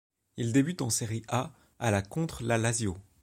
Il débute en Serie A à la contre la Lazio.